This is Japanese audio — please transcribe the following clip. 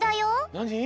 なに！？